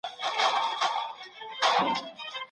د حديث بشپړ متن چيرته ذکر سوی دی؟